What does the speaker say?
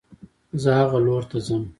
زه هغه لور ته ځم